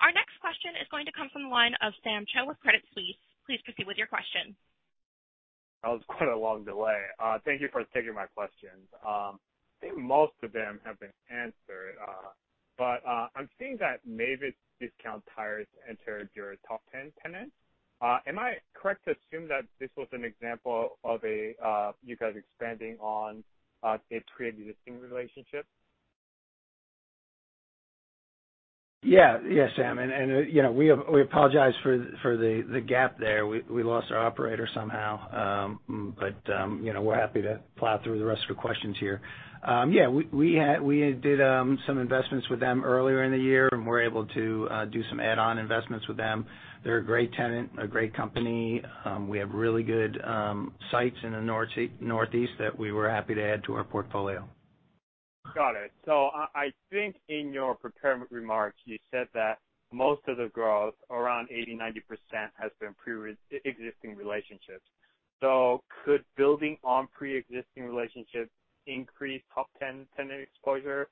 S1: Our next question is going to come from the line of Sam Cho with Credit Suisse. Please proceed with your question.
S13: That was quite a long delay. Thank you for taking my questions. I think most of them have been answered. I'm seeing that Mavis Discount Tire entered your top 10 tenants. Am I correct to assume that this was an example of you guys expanding on a pre-existing relationship?
S3: Yeah. Sam, we apologize for the gap there. We lost our operator somehow. We're happy to plow through the rest of your questions here. Yeah, we did some investments with them earlier in the year, and we're able to do some add-on investments with them. They're a great tenant, a great company. We have really good sites in the Northeast that we were happy to add to our portfolio.
S13: Got it. I think in your prepared remarks, you said that most of the growth, around 80%-90%, has been pre-existing relationships. Could building on pre-existing relationships increase top 10 tenant exposure?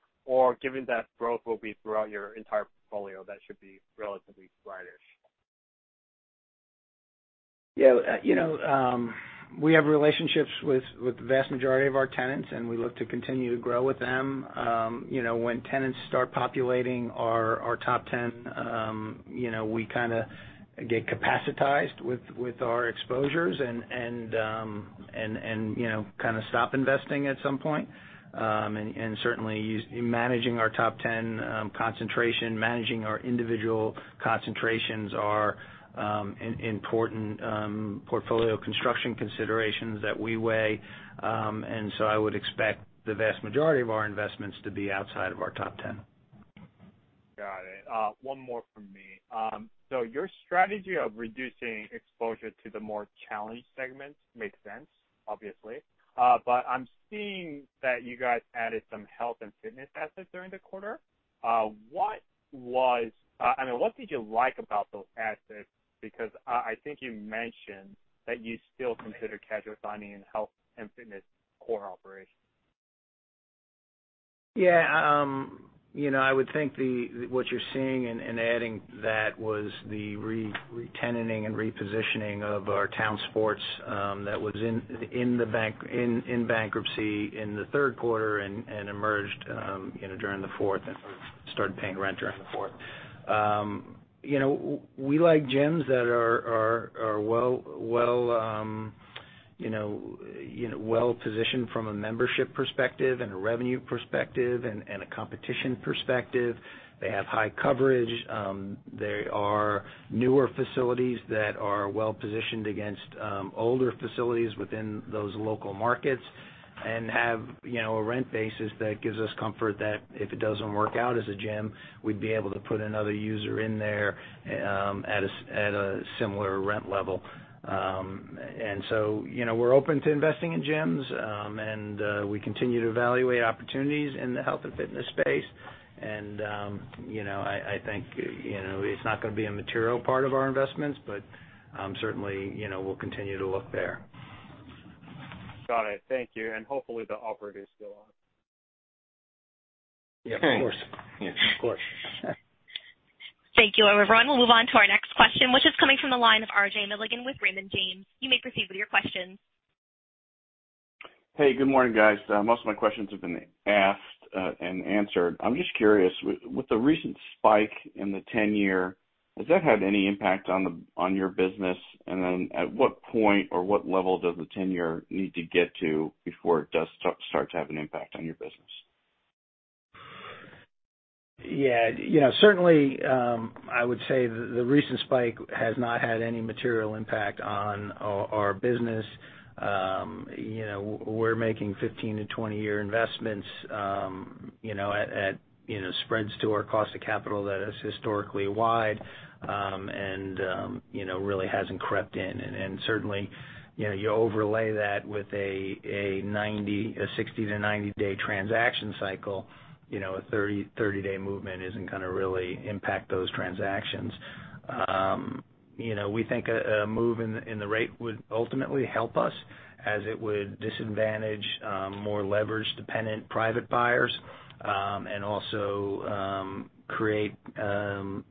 S13: Given that growth will be throughout your entire portfolio, that should be relatively slightish?
S3: Yeah. We have relationships with the vast majority of our tenants, and we look to continue to grow with them. When tenants start populating our top 10, we kind of get capacitized with our exposures and kind of stop investing at some point. Certainly, managing our top 10 concentration, managing our individual concentrations are important portfolio construction considerations that we weigh. I would expect the vast majority of our investments to be outside of our top 10.
S13: Got it. One more from me. Your strategy of reducing exposure to the more challenged segments makes sense, obviously. I'm seeing that you guys added some health and fitness assets during the quarter. What did you like about those assets? Because I think you mentioned that you still consider cash flow in health and fitness core operations.
S3: Yeah. I would think what you're seeing in adding that was the re-tenanting and repositioning of our Town Sports that was in bankruptcy in the third quarter and emerged during the fourth and started paying rent during the fourth. We like gyms that are well-positioned from a membership perspective and a revenue perspective and a competition perspective. They have high coverage. They are newer facilities that are well-positioned against older facilities within those local markets and have a rent basis that gives us comfort that if it doesn't work out as a gym, we'd be able to put another user in there at a similar rent level. We're open to investing in gyms, and we continue to evaluate opportunities in the health and fitness space. I think it's not going to be a material part of our investments, but certainly, we'll continue to look there.
S13: Got it. Thank you. Hopefully the operator is still on.
S3: Yeah, of course.
S13: Yeah.
S3: Of course.
S1: Thank you, everyone. We'll move on to our next question, which is coming from the line of RJ Milligan with Raymond James. You may proceed with your questions.
S14: Hey, good morning, guys. Most of my questions have been asked and answered. I'm just curious, with the recent spike in the 10-year, has that had any impact on your business? At what point or what level does the 10-year need to get to before it does start to have an impact on your business?
S3: Certainly, I would say the recent spike has not had any material impact on our business. We're making 15- to 20-year investments at spreads to our cost of capital that is historically wide and really hasn't crept in. Certainly, you overlay that with a 60- to 90-day transaction cycle, a 30-day movement isn't going to really impact those transactions. We think a move in the rate would ultimately help us as it would disadvantage more leverage-dependent private buyers, and also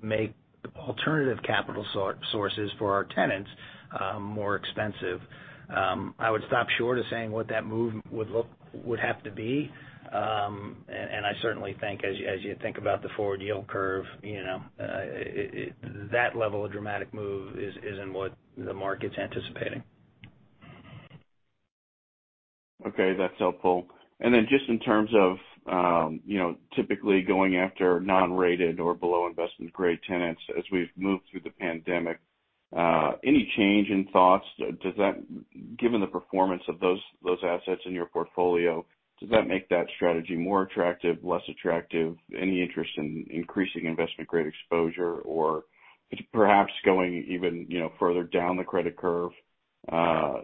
S3: make alternative capital sources for our tenants more expensive. I would stop short of saying what that move would have to be. I certainly think as you think about the forward yield curve, that level of dramatic move isn't what the market's anticipating.
S14: Okay. That's helpful. Just in terms of typically going after non-rated or below investment-grade tenants as we've moved through the pandemic, any change in thoughts? Given the performance of those assets in your portfolio, does that make that strategy more attractive, less attractive? Any interest in increasing investment-grade exposure or perhaps going even further down the credit curve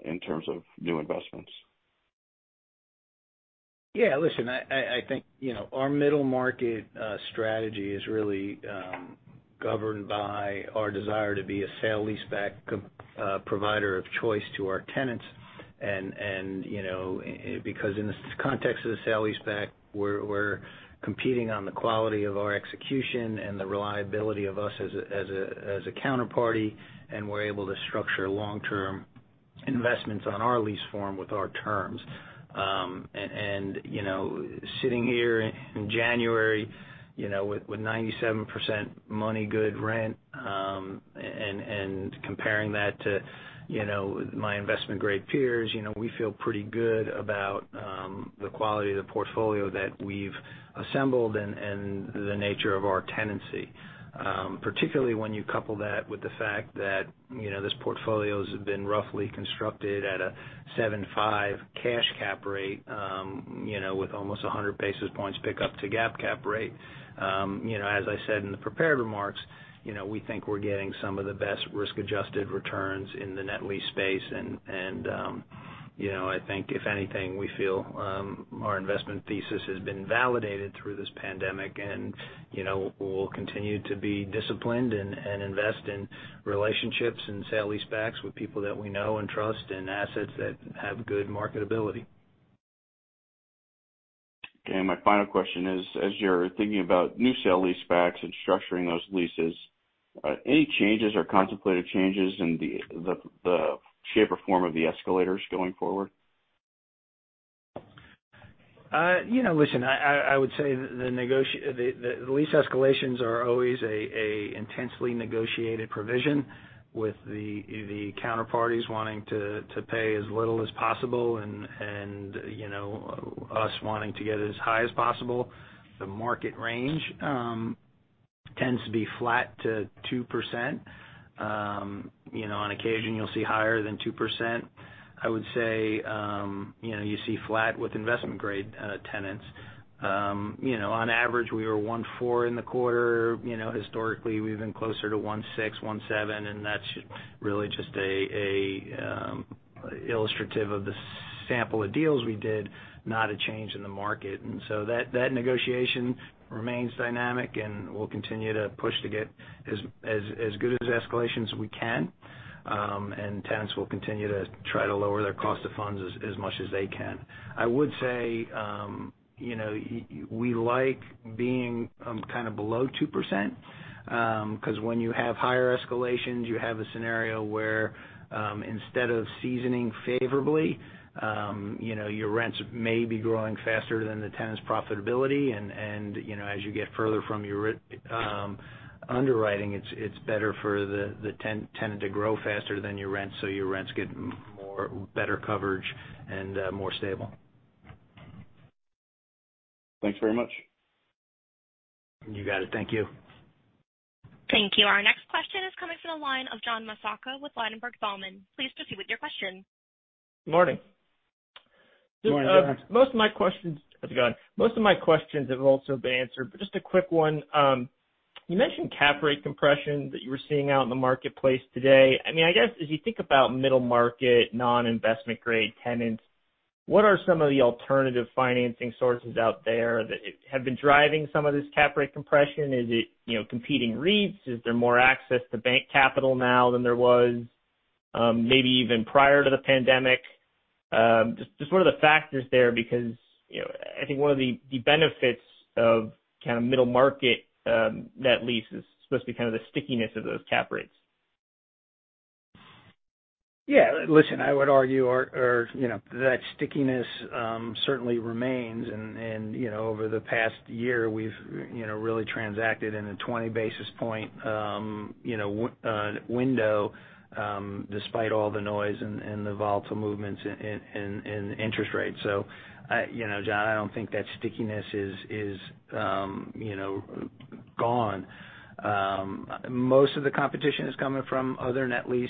S14: in terms of new investments?
S3: Yeah. Listen, I think our middle market strategy is really governed by our desire to be a sale leaseback provider of choice to our tenants. Because in the context of the sale leaseback, we're competing on the quality of our execution and the reliability of us as a counterparty, and we're able to structure long-term investments on our lease form with our terms. Sitting here in January with 97% money good rent, and comparing that to my investment-grade peers, we feel pretty good about the quality of the portfolio that we've assembled and the nature of our tenancy. Particularly when you couple that with the fact that this portfolio's been roughly constructed at a 7.5 cash cap rate with almost 100 basis points pick up to GAAP cap rate. As I said in the prepared remarks, we think we're getting some of the best risk-adjusted returns in the net lease space. I think if anything, we feel our investment thesis has been validated through this pandemic, and we'll continue to be disciplined and invest in relationships and sale leasebacks with people that we know and trust and assets that have good marketability.
S14: Okay. My final question is: As you're thinking about new sale leasebacks and structuring those leases, any changes or contemplated changes in the shape or form of the escalators going forward?
S3: Listen, I would say the lease escalations are always a intensely negotiated provision with the counterparties wanting to pay as little as possible and us wanting to get as high as possible. The market range tends to be flat to 2%. On occasion, you'll see higher than 2%. I would say you see flat with investment-grade tenants. On average, we were 1.4% in the quarter. Historically, we've been closer to 1.6%, 1.7%, and that's really just illustrative of the sample of deals we did, not a change in the market. That negotiation remains dynamic, and we'll continue to push to get as good as escalations we can. Tenants will continue to try to lower their cost of funds as much as they can. I would say, we like being kind of below 2%, because when you have higher escalations, you have a scenario where instead of seasoning favorably, your rents may be growing faster than the tenant's profitability. As you get further from your underwriting, it's better for the tenant to grow faster than your rent so your rents get better coverage and more stable.
S14: Thanks very much.
S3: You got it. Thank you.
S1: Thank you. Our next question is coming from the line of John Massocca with Ladenburg Thalmann. Please proceed with your question.
S15: Morning.
S3: Morning, John.
S15: Most of my questions have also been answered. Just a quick one. You mentioned cap rate compression that you were seeing out in the marketplace today. I guess as you think about middle market, non-investment grade tenants, what are some of the alternative financing sources out there that have been driving some of this cap rate compression? Is it competing REITs? Is there more access to bank capital now than there was? Maybe even prior to the pandemic? Just what are the factors there? I think one of the benefits of kind of middle market net lease is supposed to be kind of the stickiness of those cap rates.
S3: Yeah. Listen, I would argue that stickiness certainly remains, over the past year, we've really transacted in a 20-basis-point window despite all the noise and the volatile movements in interest rates. John, I don't think that stickiness is gone. Most of the competition is coming from other net lease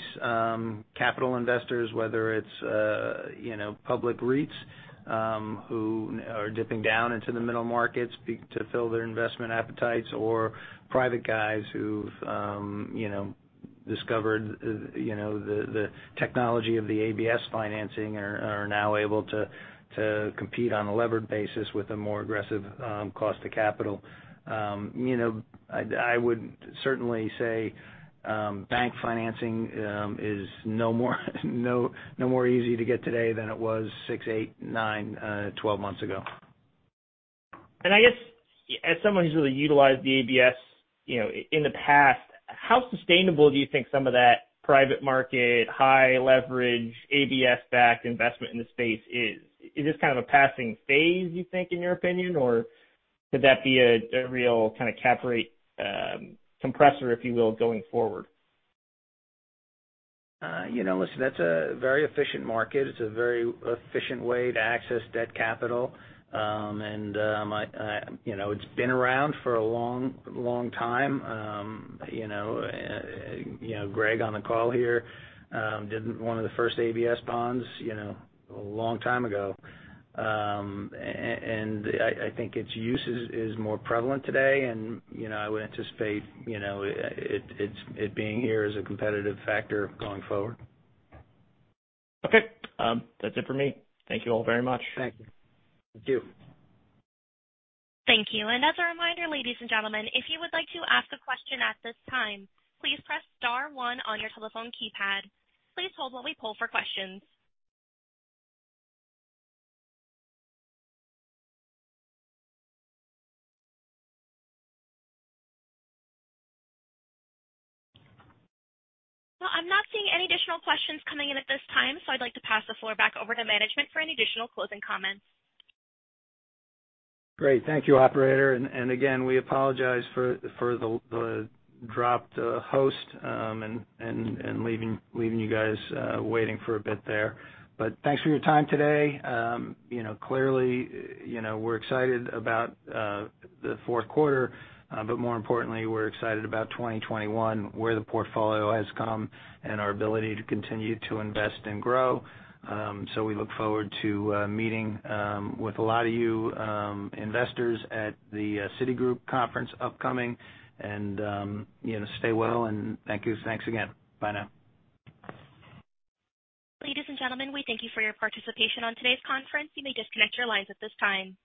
S3: capital investors, whether it's public REITs who are dipping down into the middle markets to fill their investment appetites, or private guys who've discovered the technology of the ABS financing and are now able to compete on a levered basis with a more aggressive cost to capital. I would certainly say bank financing is no more easy to get today than it was six, eight, nine, 12 months ago.
S15: I guess as someone who's really utilized the ABS in the past, how sustainable do you think some of that private market, high leverage, ABS-backed investment in the space is? Is this kind of a passing phase, you think, in your opinion, or could that be a real kind of cap rate compressor, if you will, going forward?
S3: Listen, that's a very efficient market. It's a very efficient way to access debt capital. It's been around for a long time. Gregg, on the call here, did one of the first ABS bonds a long time ago. I think its use is more prevalent today, and I would anticipate it being here as a competitive factor going forward.
S15: Okay. That's it for me. Thank you all very much.
S3: Thank you.
S4: Thank you.
S1: Thank you. As a reminder, ladies and gentlemen, if you would like to ask a question at this time, please press star one on your telephone keypad. Please hold while we poll for questions. Well, I'm not seeing any additional questions coming in at this time, so I'd like to pass the floor back over to management for any additional closing comments.
S3: Great. Thank you, operator. Again, we apologize for the dropped host and leaving you guys waiting for a bit there. Thanks for your time today. Clearly we're excited about the fourth quarter, but more importantly, we're excited about 2021, where the portfolio has come, and our ability to continue to invest and grow. We look forward to meeting with a lot of you investors at the Citigroup conference upcoming, and stay well, and thank you. Thanks again. Bye now.
S1: Ladies and gentlemen, we thank you for your participation on today's conference. You may disconnect your lines at this time.